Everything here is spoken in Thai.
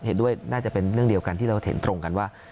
เห็นด้วยน่าจะเป็นเรื่องเดียวกันที่เราเห็นตรงกันว่า